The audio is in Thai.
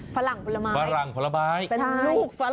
ฝรั่งผลไม้ลูกฝรั่ง